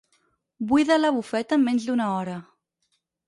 Buida la bufeta en menys d'una hora.